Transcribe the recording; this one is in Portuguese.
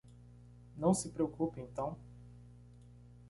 Não se preocupe então.